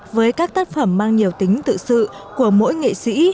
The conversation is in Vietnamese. với các tác phẩm mang nhiều tính tự sự của mỗi nghệ sĩ